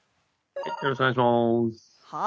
はいよろしくお願い致します。